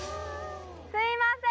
すいません！